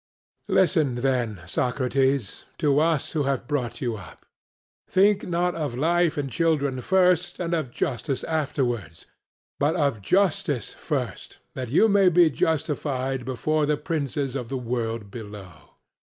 'Listen, then, Socrates, to us who have brought you up. Think not of life and children first, and of justice afterwards, but of justice first, that you may be justified before the princes of the world below.